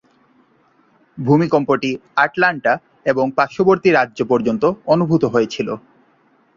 ভূমিকম্পটি Atlanta এবং পার্শ্ববর্তী রাজ্য পর্যন্ত অনুভূত হয়েছিল।